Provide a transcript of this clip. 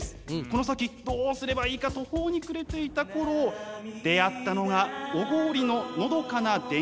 この先どうすればいいか途方に暮れていた頃出会ったのが小郡ののどかな田園風景でした。